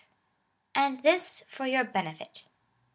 And this for your benefit.